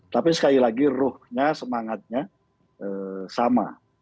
tapi sekali lagi ruhnya semangatnya sama